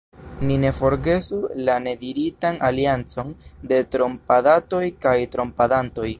Ni ne forgesu la nediritan aliancon de trompadatoj kaj trompadantoj.